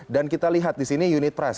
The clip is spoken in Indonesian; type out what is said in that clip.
dan kita lihat disini unit price